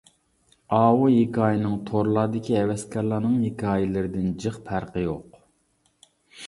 ئاۋۇ ھېكايىنىڭ تورلاردىكى ھەۋەسكارلارنىڭ ھېكايىلىرىدىن جىق پەرقى يوق.